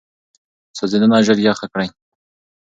سوځېدنه ژر یخه کړئ.